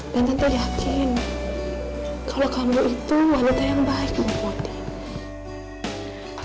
dan tante yakin kalau kamu itu wanita yang baik ya mondi